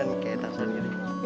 aku tau yang kamu udah nanti